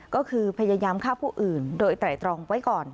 ก็คือพยายามฆ่าผู้อื่นโดยไตรตรองไว้ก่อน